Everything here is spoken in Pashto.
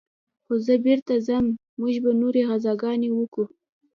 خو زه بېرته ځم موږ به نورې غزاګانې وكو.